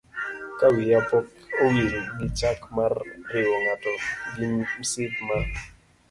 Ka wiya pok owil gi chik mar riwo ng'ato gi msip ma